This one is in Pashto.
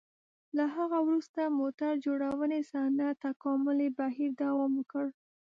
له هغه وروسته موټر جوړونې صنعت تکاملي بهیر دوام وکړ.